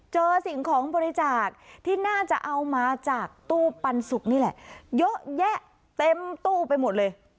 สิ่งของบริจาคที่น่าจะเอามาจากตู้ปันสุกนี่แหละเยอะแยะเต็มตู้ไปหมดเลย